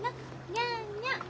にゃんにゃん！